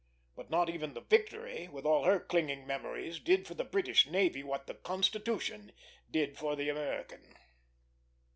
But not even the Victory, with all her clinging memories, did for the British navy what the Constitution did for the American.